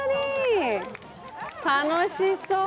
楽しそう！